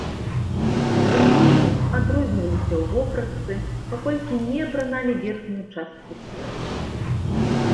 У мінулым адрозніваліся ў вопратцы, паколькі не апраналі верхнюю частку цела.